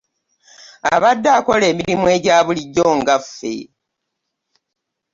Abadde akola emirimu ejabulijo ngaffe.